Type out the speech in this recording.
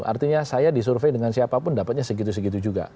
artinya saya disurvey dengan siapapun dapatnya segitu segitu juga